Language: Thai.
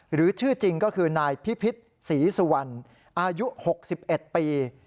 หรือชื่อจริงก็คือนายพิพิษศรีสุวรรณอายุ๖๑ปี